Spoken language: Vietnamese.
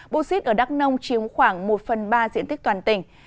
bosit ở đắk nông chiếm khoảng một phần ba diện tích toàn tỉnh